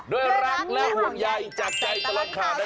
โดยรักเล่าของใยจากใจตลังคานะจ๊ะ